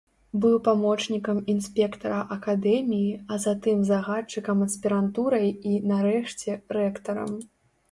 Быў памочнікам інспектара акадэміі, а затым загадчыкам аспірантурай і, нарэшце, рэктарам.